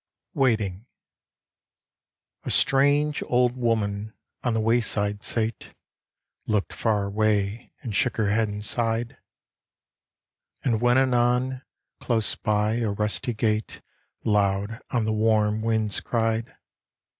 WAITING A STRANGE old woman on the wayside sate, Looked far away and shook her head and sighed. And when anon, close by, a rusty gate Loud on the warm winds cried.